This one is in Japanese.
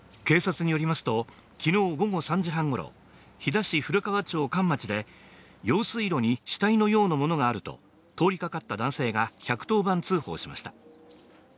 警察によりますと昨日午後３時半頃、飛騨市古川町上町で用水路に死体のようなものがあると通りかかった男性が１１０番通報しました。